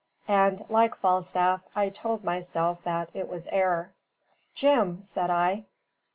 and, like Falstaff, I told myself that it was air. "Jim!" said I.